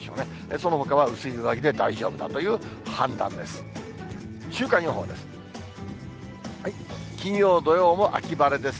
そのほかは薄い上着で大丈夫だという判断です。